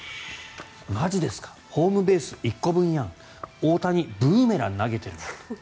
マジですかホームベース１個分やん大谷、ブーメラン投げてるなと。